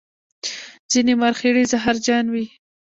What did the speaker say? ځینې مرخیړي زهرجن وي